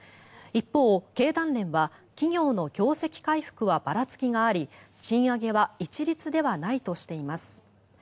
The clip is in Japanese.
一方、経団連は企業の業績回復はばらつきがあり賃上げは一律ではないとしています。